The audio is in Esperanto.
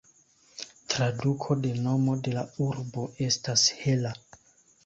Traduko de nomo de la urbo estas "hela".